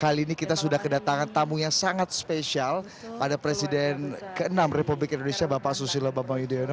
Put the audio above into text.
kali ini kita sudah kedatangan tamu yang sangat spesial pada presiden ke enam republik indonesia bapak susilo bambang yudhoyono